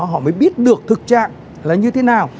họ mới biết được thực trạng là như thế nào